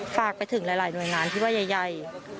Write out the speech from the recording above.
ฝากไปถึงหลายหน่วยงานที่ว่าใหญ่